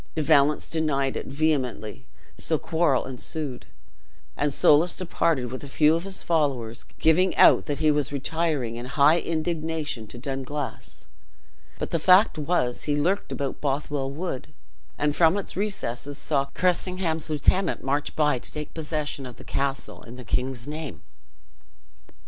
De Valence denied it vehemently so quarrel ensued, and Soulis departed with a few of his followers, giving out that he was retiring in high indignation to Dunglass. But the fact was, he lurked about in Bothwell wood; and from its recesses saw Cressingham's lieutenant march by to take possession of the castle in the king's name.